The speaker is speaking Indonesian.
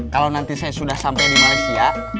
kalau nanti saya sudah sampai di malaysia